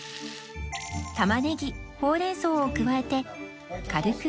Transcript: たまねぎほうれん草を加えて軽く炒めます